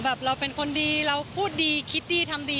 เราเป็นคนดีเราพูดดีคิดดีทำดี